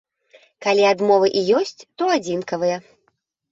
Калі адмовы і ёсць, то адзінкавыя.